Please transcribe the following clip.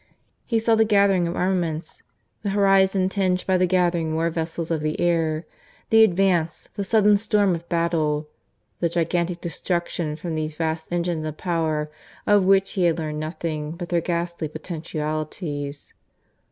He saw the gathering of armaments the horizon tinged by the gathering war vessels of the air the advance, the sudden storm of battle, the gigantic destruction from these vast engines of power of which he had learned nothing but their ghastly potentialities.